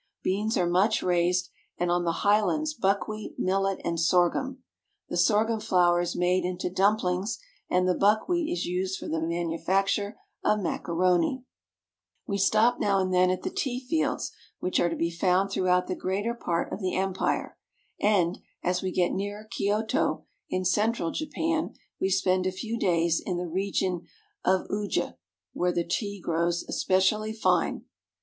Beans are much raised, and on the highlands buckwheat, millet, and sorghum. The sorghum flour is made into dumplings, and the buckwheat is used for the manufacture of macaroni. Cleaning Rice. We stop now and then at the tea fields which are to be found throughout the greater part of the empire; and, as we get nearer 'Kyoto (kyo' to) in central Japan, we spend a few days in the region of Uji (oo'je), where the tea grown is especially fine.